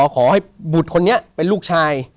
ขอให้บุตรคนนี้เป็นลูกชาย